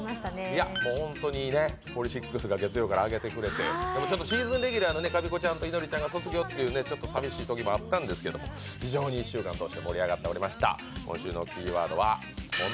いや、本当にＰＯＬＹＳＩＣＳが月曜からアゲてくれて、でもシーズンレギュラーのかみこちゃんといのりちゃんが卒業でちょっと寂しいこともあったんですけど、非常に１週間を通して盛り上がっておりました。